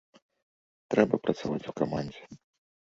Трэба працаваць у камандзе.